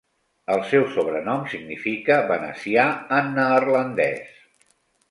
El seu sobrenom significa venecià en neerlandès.